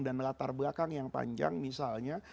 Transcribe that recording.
dan latar belakang yang panjang misalnya